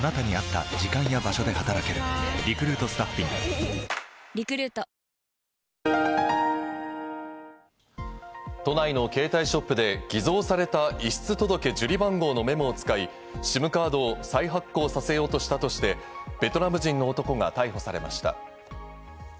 前の日のアメリカ市場では、利上げの停止が近いという見方が都内の携帯ショップで偽造された遺失届受理番号のメモを使い、ＳＩＭカードを再発行させようとしたとしてベトナム人の男が逮捕されました。